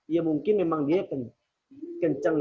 ya mungkin memang dia kencang